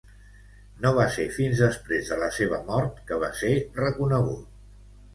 No va ser fins després de la seva mort que va ser reconegut.